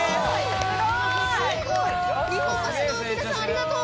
日本橋の皆さん、ありがとう！